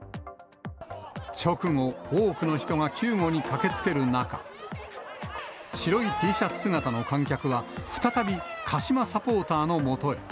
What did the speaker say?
直後、多くの人が救護に駆けつける中、白いＴシャツ姿の観客は、再び鹿島サポーターのもとへ。